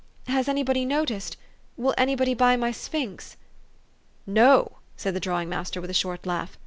Has anybody noticed will anybody buy my sphinx? "" No," said the drawing master with a short laugh.